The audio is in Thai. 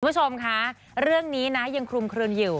คุณผู้ชมคะเรื่องนี้นะยังคลุมคลึงอยู่